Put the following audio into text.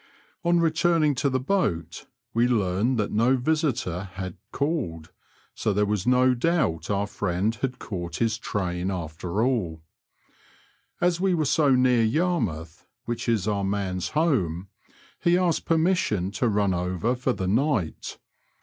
On returning to the boat, we learned that no visitor had called," so there was no doubt our friend had caught his train after all. As we were so near Yarmouth, which is our man's home, he asked permission to run over for the night.